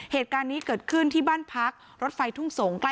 เหตุการณ์นี้เกิดขึ้นที่บ้านพักรถไฟทุ่งสงศ์